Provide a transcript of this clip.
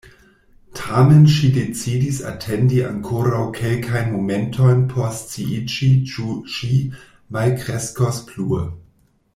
Tamen ŝi decidis atendi ankoraŭ kelkajn momentojn por sciiĝi ĉu ŝi malkreskos plue.